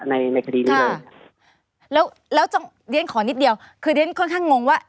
ในในคดีนี้เลยแล้วแล้วจะเรียนขอนิดเดียวคือเรียนค่อนข้างงงว่า